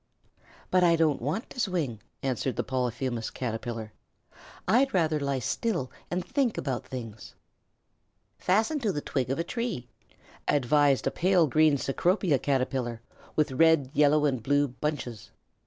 "But I don't want to swing," answered the Polyphemus Caterpillar. "I'd rather lie still and think about things." "Fasten to the twig of a tree," advised a pale green Cecropia Caterpillar with red, yellow, and blue bunches.